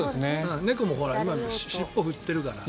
猫も尻尾振ってるから。